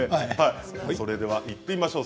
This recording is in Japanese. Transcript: それではいってみましょう。